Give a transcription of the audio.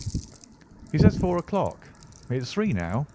"He says four o'clock. It is three now.